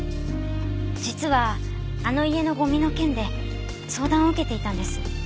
実はあの家のゴミの件で相談を受けていたんです。